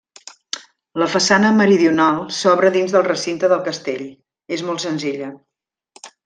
La façana meridional s'obre dins del recinte del castell, és molt senzilla.